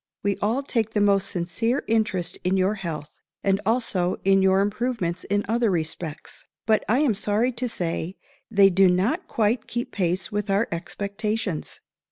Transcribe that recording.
_ We all take the most sincere interest in your health, and also in your improvements in other respects. But I am sorry to say they do not quite keep pace with our expectations.